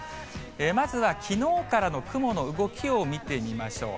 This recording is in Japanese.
まずはきのうからの雲の動きを見てみましょう。